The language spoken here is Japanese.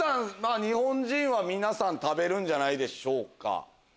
日本人は皆さん食べるんじゃないでしょうか。